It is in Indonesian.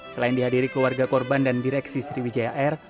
selain dihadiri keluarga korban dan direksi sriwijaya air